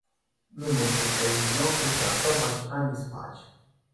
"Nie mógł tej nocy pracować ani spać."